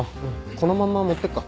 このまま持ってくか。